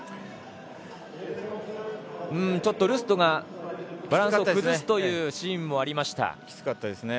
ちょっとルストがバランスを崩すというシーンもありました。